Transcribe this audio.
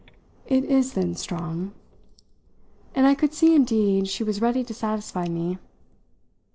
"It is then strong" and I could see indeed she was ready to satisfy me.